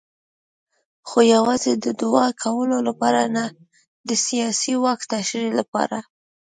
خو یوازې د دوعا کولو لپاره نه د سیاسي واک تشریح لپاره.